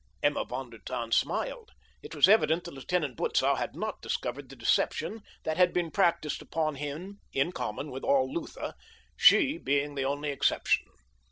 Emma von der Tann smiled. It was evident that Lieutenant Butzow had not discovered the deception that had been practiced upon him in common with all Lutha—she being the only exception.